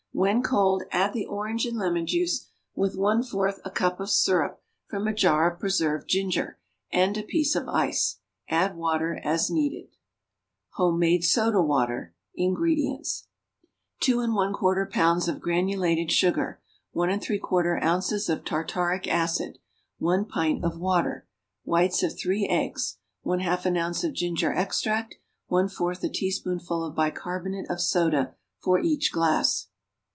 When cold add the orange and lemon juice, with one fourth a cup of syrup from a jar of preserved ginger, and a piece of ice. Add water as needed. =Home made Soda Water.= INGREDIENTS. 2 1/4 pounds of granulated sugar. 1 3/4 ounces of tartaric acid. 1 pint of water. Whites of 3 eggs. 1/2 an ounce of ginger extract. 1/4 a teaspoonful of bicarbonate of soda for each glass.